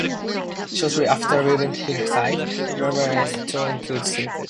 Shortly after leaving Hillside, Lawrence turned to theater.